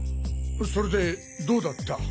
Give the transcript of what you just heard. それでどうだった？